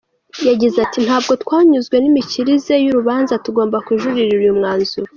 Yagize ati “Ntabwo twanyuzwe n’imikirize y’urubanza, tugomba kujuririra uyu mwanzuro.